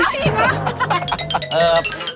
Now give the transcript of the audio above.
อีกแล้ว